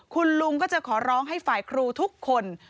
คุณลุงก็จะขอร้องให้ฝ่ายครูทุกคน